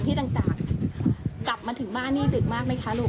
กลับมาถึงบ้านนี้ดึกบ้านนี่ตื่นมากไหมคะลูก